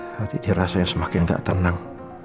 hati dirasa yang semakin gak tenang